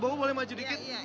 bowu boleh maju dikit